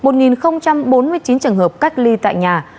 một bốn mươi chín trường hợp cách ly tại nhà